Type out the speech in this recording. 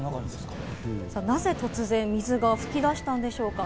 なぜ突然、水が噴き出したんでしょうか？